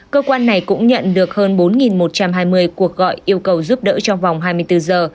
cơ quan này cũng nhận được hơn bốn một trăm hai mươi cuộc gọi yêu cầu giúp đỡ trong vòng hai mươi bốn giờ